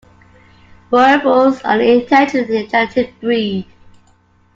Boerboels are an intelligent and energetic breed.